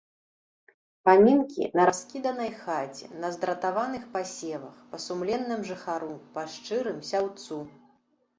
Памінкі на раскіданай хаце, на здратаваных пасевах, па сумленным жыхару, па шчырым сяўцу!